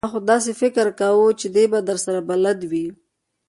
ما خو داسې فکر کاوه چې دی به درسره بلد وي!